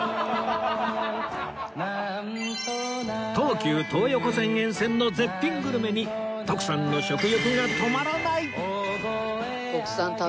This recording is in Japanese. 東急東横線沿線の絶品グルメに徳さんの食欲が止まらない！